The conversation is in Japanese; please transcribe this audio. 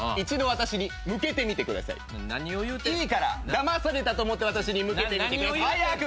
だまされたと思って私に向けてみてください。早く！